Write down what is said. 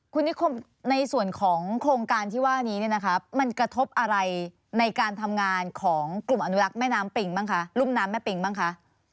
คุณนิคมในส่วนของโครงการที่ว่านี้เนี่ยนะคะมันกระทบอะไรในการทำงานของกลุ่มอนุรักษ์แม่น้ำปิงบ้างคะรุ่มน้ำแม่ปิงบ้างคะ